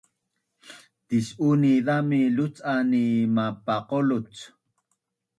tis’uni zami luc’an ni mapaqoluc